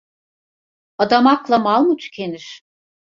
Adamakla mal mı tükenir?